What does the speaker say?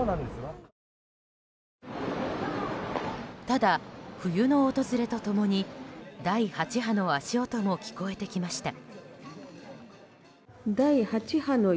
ただ冬の訪れと共に、第８波の足音も聞こえてきました。